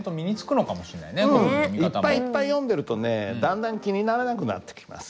割といっぱいいっぱい読んでるとねだんだん気にならなくなってきます